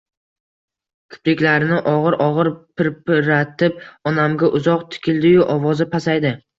Kipriklarini og‘ir-og‘ir pirpiratib onamga uzoq tikildiyu ovozi pasaydi.